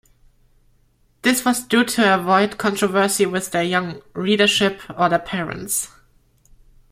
This was due to avoid controversy with their young readership, or their parents.